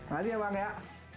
nanti ya bang ya